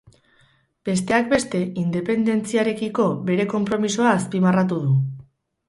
Besteak beste, independentziarekiko bere konpromisoa azpimarratu du.